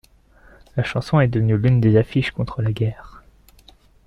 La chanson est devenue l'une des affiches contre la guerre.